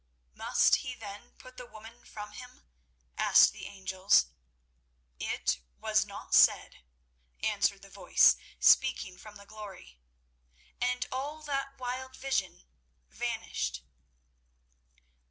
"Must he then put the woman from him?" asked the angels. "It was not said," answered the voice speaking from the Glory. And all that wild vision vanished.